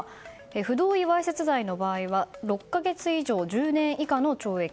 不同意わいせつ罪の場合は６か月以上１０年以下の懲役。